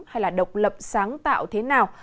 hay là độc lập sáng tạo thế nào